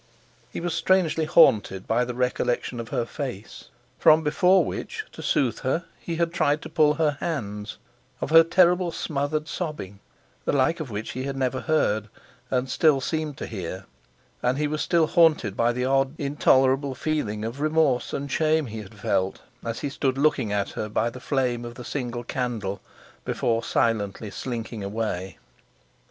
He was strangely haunted by the recollection of her face, from before which, to soothe her, he had tried to pull her hands—of her terrible smothered sobbing, the like of which he had never heard, and still seemed to hear; and he was still haunted by the odd, intolerable feeling of remorse and shame he had felt, as he stood looking at her by the flame of the single candle, before silently slinking away.